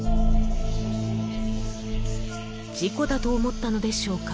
［事故だと思ったのでしょうか？］